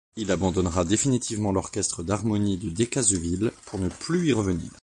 Il abandonnera définitivement l’orchestre d’harmonie de Decazeville pour ne plus y revenir.